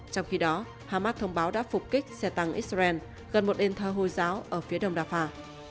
trong khi đó hamas thông báo đã phục kích xe tăng israel gần một đền thờ hồi giáo ở phía đông rafah